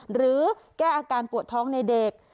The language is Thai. หรือแก้อาการปวดท้องในเด็ก